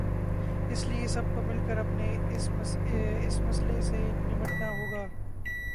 اس لیے سب کو مل کر اپنے اس مسئلے سے نمٹنا ہو گا۔